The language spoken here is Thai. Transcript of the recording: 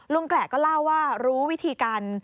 แกรกก็เล่าว่ารู้วิธีการ